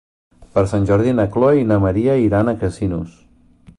Per Sant Jordi na Chloé i na Maria iran a Casinos.